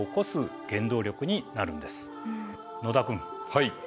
はい。